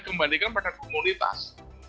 kembalikan pada komunitas